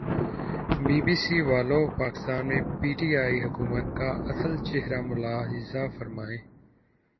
be B C والو پاکستان میں P T I حکومت کا اصل چہرا ملاحظہ فرمائیں